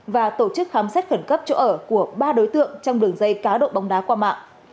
và tổ chức khám xét khẩn cấp chỗ ở của ba đối tượng trong đường dây cá độ bóng đá qua mạng